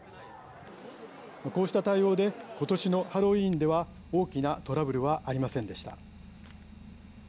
こうした対応で今年のハロウィーンでは大きなトラブルはありませんでした。